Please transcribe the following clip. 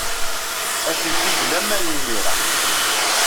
Atenti deg laman imir-a.